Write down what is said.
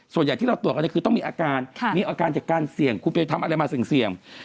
ส่วนใหญ่ที่เราตรวจอันนี้คือต้องมีอาการมีอาการจากการเสี่ยงคุณไปทำอะไรมาเสี่ยง